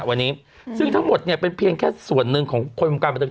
วันนี้ซึ่งทั้งหมดเนี่ยเป็นเพียงแค่ส่วนหนึ่งของคนวงการบันเทิ